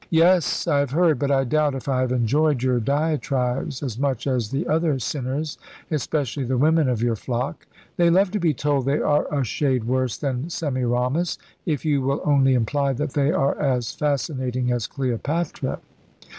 "Yes, I have heard; but I doubt if I have enjoyed your diatribes as much as the other sinners, especially the women of your flock. They love to be told they are a shade worse than Semiramis, if you will only imply that they are as fascinating as Cleopatra."